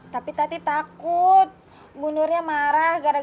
tapi tadi takut bu nurnya marah gara gara bayi